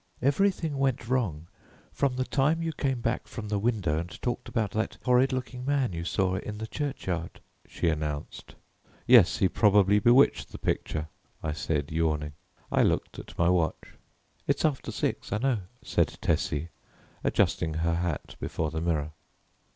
"Everything went wrong from the time you came back from the window and talked about that horrid looking man you saw in the churchyard," she announced. "Yes, he probably bewitched the picture," I said, yawning. I looked at my watch. "It's after six, I know," said Tessie, adjusting her hat before the mirror.